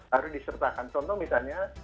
harus disertakan contoh misalnya